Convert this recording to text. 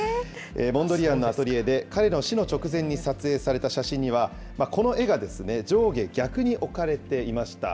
モンドリアンのアトリエで、彼の死の直前に撮影された写真には、この絵が上下逆に置かれていました。